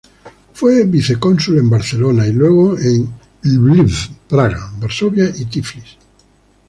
Fue vicecónsul en Barcelona, y luego en Lviv, Praga, Varsovia y Tiflis.